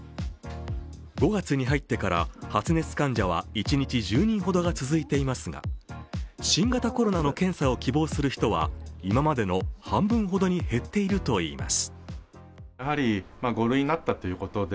５月に入ってから発熱患者は一日１０人ほどが続いていますが新型コロナの検査を希望する人は今までの半分ほどに減っているといいます。